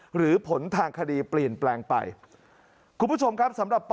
หรือผลทางคดีเปลี่ยนแปลงไปคุณผู้ชมครับสำหรับ